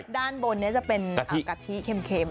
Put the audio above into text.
ด้านบนจะเป็นกะทิเข้ม